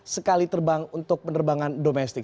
sekali terbang untuk penerbangan domestik